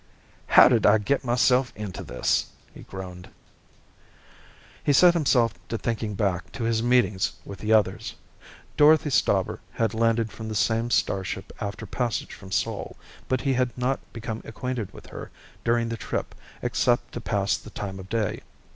"How did I get myself into this?" he groaned. He set himself to thinking back to his meetings with the others. Dorothy Stauber had landed from the same starship after passage from Sol, but he had not become acquainted with her during the trip except to pass the time of day.